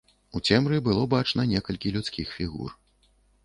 У цемры было бачна некалькі людскіх фігур.